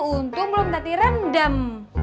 untuk belum tadi rendem